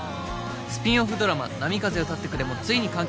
スピンオフドラマ『波風よ立ってくれ』もついに完結